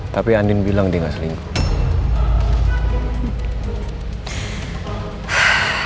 tapi andin bilang dia gak aslinya